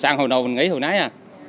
sáng hồi đầu mình nghỉ hồi nãy à